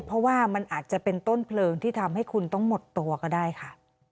เพราะว่ามันอาจจะเป็นต้นเพลิงที่ทำให้คุณต้องหมดตัวก็ได้ค่ะ